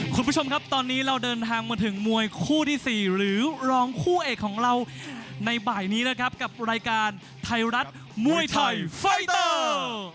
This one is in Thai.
คุณผู้ชมครับตอนนี้เราเดินทางมาถึงมวยคู่ที่๔หรือรองคู่เอกของเราในบ่ายนี้นะครับกับรายการไทยรัฐมวยไทยไฟเตอร์